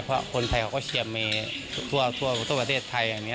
เพราะคนไทยเขาก็เชียมเมย์ทั่วทั่วทั่วประเทศไทยอย่างเงี้ย